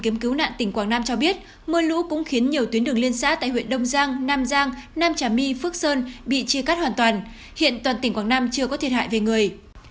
mưa lũ cũng khiến nhiều tuyến đường liên xã tại huyện đông giang nam giang nam trà my phước sơn bị chia cắt hoàn toàn hiện toàn tỉnh quảng nam chưa có thiệt hại về người